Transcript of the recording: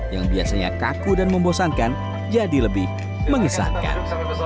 yang biasanya kaku dan membosankan jadi lebih mengisahkan